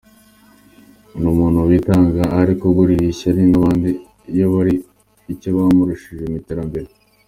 Ni umuntu witanga ariko ugiririra ishyari abandi iyo hari icyo bamurushije mu iterambere.